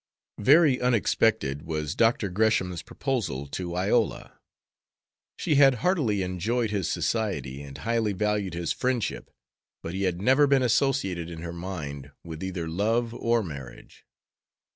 Very unexpected was Dr. Gresham's proposal to Iola. She had heartily enjoyed his society and highly valued his friendship, but he had never been associated in her mind with either love or marriage.